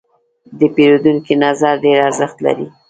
د پیرودونکي نظر ډېر ارزښت لري.